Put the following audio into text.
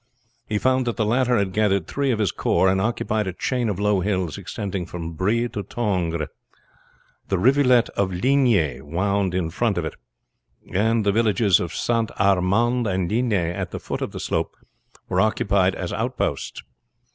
He found that the latter had gathered three of his corps, and occupied a chain of low hills extending from Bry to Tongres. The rivulet of Ligny wound in front of it, and the villages of St. Armand and Ligny at the foot of the slope were occupied as outposts.